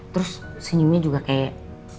terus senyumnya juga kayak